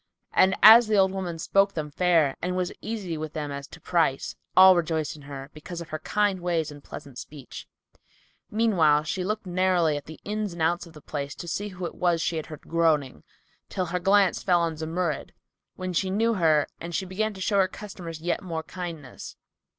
And as the old woman spoke them fair and was easy with them as to price, all rejoiced in her, because of her kind ways and pleasant speech. Meanwhile, she looked narrowly at the ins and outs of the place to see who it was she had heard groaning, till her glance fell on Zumurrud, when she knew her and she began to show her customers yet more kindness.